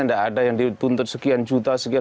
tidak ada yang dituntut sekian juta sekian